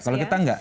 kalau kita nggak